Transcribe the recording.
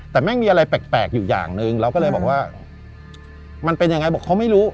แต่แม่งมีอะไรแปลกอยู่อย่างหนึ่งเราก็เลยบอกว่ามันเป็นยังไงบอกเขาไม่รู้